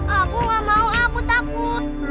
aku gak mau aku takut